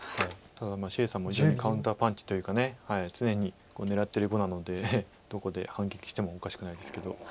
ただ謝さんも非常にカウンターパンチというか常に狙ってる碁なのでどこで反撃してもおかしくないですけど。